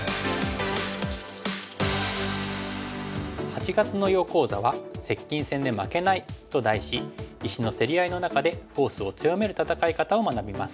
８月の囲碁講座は「接近戦で負けない」と題し石の競り合いの中でフォースを強める戦い方を学びます。